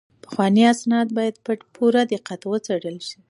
پخواني اسناد باید په پوره دقت وڅیړل شي.